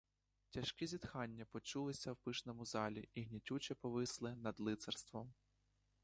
Тяжкі зітхання почулися в пишному залі й гнітюче повисли над лицарством.